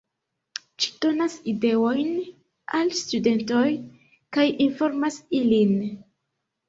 Ĝi donas ideojn al studentoj kaj informas ilin.